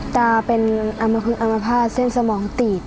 ตาเป็นอามภาพเส้นสมองตีด